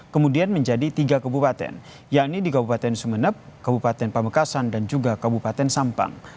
kemudian menjadi tiga kebupaten yakni di kabupaten sumeneb kabupaten pamekasan dan juga kabupaten sampang